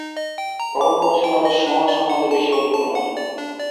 অরণ্যবাসী মানুষ সমাজ সম্বন্ধে বেশী অভিজ্ঞ নহে।